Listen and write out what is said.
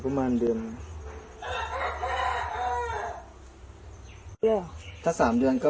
ประมาณได้ต่อเดือนนะ